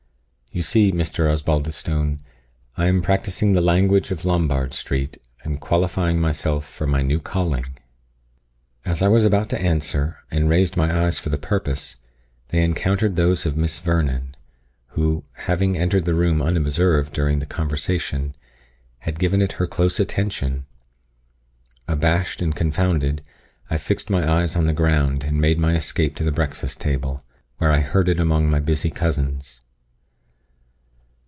You see, Mr. Osbaldistone, I am practising the language of Lombard Street, and qualifying myself for my new calling." As I was about to answer, and raised my eyes for the purpose, they encountered those of Miss Vernon, who, having entered the room unobserved during the conversation, had given it her close attention. Abashed and confounded, I fixed my eyes on the ground, and made my escape to the breakfast table, where I herded among my busy cousins.